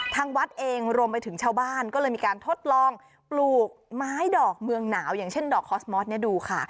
ทางวัดเองรวมไปถึงชาวบ้านก็เลยมีการทดลองปลูกไม้ดอกเมืองหนาวอย่างเช่นดอกคอสมอสเนี่ยดูค่ะ